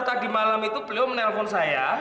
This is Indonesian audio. tadi malam itu beliau menelpon saya